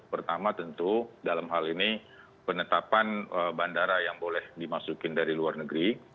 pertama tentu dalam hal ini penetapan bandara yang boleh dimasukin dari luar negeri